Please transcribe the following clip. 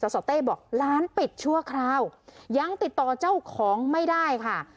สสเต้บอกร้านปิดชั่วคราวยังติดต่อเจ้าของไม่ได้ค่ะ